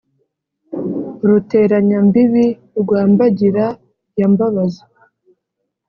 ruteranya mbibi rwa mbangira ya mbabazi,